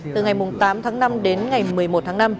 từ ngày tám tháng năm đến ngày một mươi một tháng năm